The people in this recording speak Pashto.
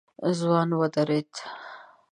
ځوان ودرېد.